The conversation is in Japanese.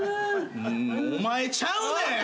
お前ちゃうねん！